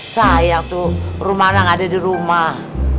sayang tuh rumah nasi gak ada di rumah